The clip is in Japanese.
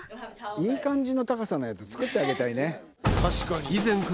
いい感じの高さのやつ作ってあげたいね。